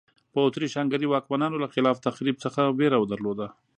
په اتریش هنګري واکمنانو له خلاق تخریب څخه وېره درلوده.